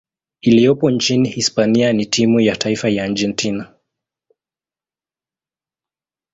iliyopo nchini Hispania na timu ya taifa ya Argentina.